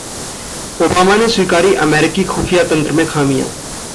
Obama ने स्वीकारी अमेरिकी खुफिया तंत्र में खामियां